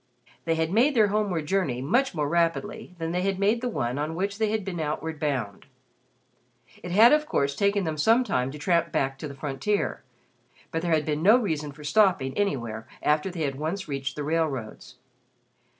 They had made their homeward journey much more rapidly than they had made the one on which they had been outward bound. It had of course taken them some time to tramp back to the frontier, but there had been no reason for stopping anywhere after they had once reached the railroads.